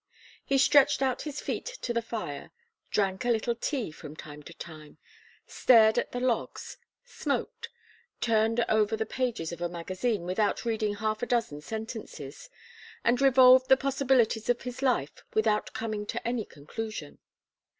He stretched out his feet to the fire, drank a little tea from time to time, stared at the logs, smoked, turned over the pages of a magazine without reading half a dozen sentences, and revolved the possibilities of his life without coming to any conclusion.